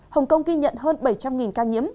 hồng kông ghi nhận hơn bảy trăm linh ca nhiễm